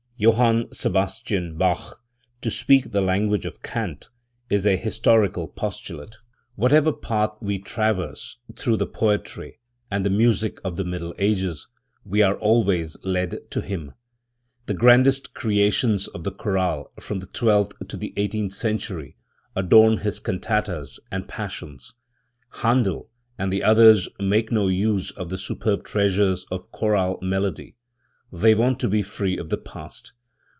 Johann Sebastian Bach, to speak the language of Kant is a historical postulate. Whatever path we traverse through the poetry and tlu* music of the Middle Ages, we are always led to him. The grandest creations of the chorale from the twelfth to the eighteenth century adorn his cantatas and Passions. Handel and the others make no use of the superb treasures of chorale melody. They want to be free of the past.